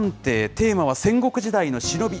テーマは戦国時代の忍び。